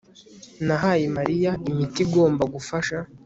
Nahaye Mariya imiti igomba gufasha